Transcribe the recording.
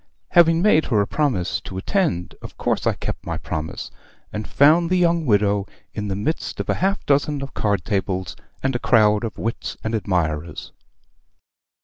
"Having made her a promise to attend, of course I kept my promise; and found the young widow in the midst of a half dozen of card tables, and a crowd of wits and admirers.